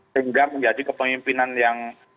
sehingga menjadi kepemimpinan yang